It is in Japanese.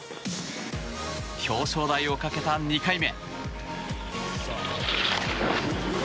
表彰台をかけた２回目。